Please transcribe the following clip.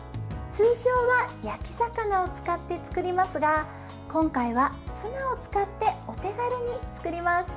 通常は焼き魚を使って作りますが今回はツナを使ってお手軽に作ります。